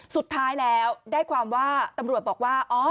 สุดท้ายแล้วได้ความว่าตำรวจบอกว่า